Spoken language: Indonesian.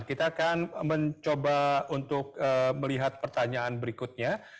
kita akan mencoba untuk melihat pertanyaan berikutnya